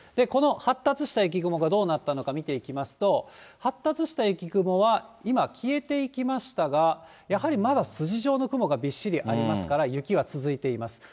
この発達した雪雲がどうなったのか見ていきますと、発達した雪雲は、今、消えていきましたが、やはりまだ筋状の雲がびっしりありますから、雪は続いています。